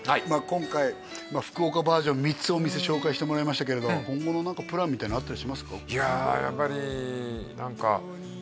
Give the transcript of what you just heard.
今回福岡バージョン３つお店紹介してもらいましたけれど今後の何かプランみたいなのあったりしますか？